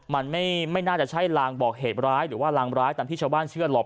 มันไม่น่าจะใช่ลางบอกเหตุร้ายหรือว่าลางร้ายตามที่ชาวบ้านเชื่อหรอก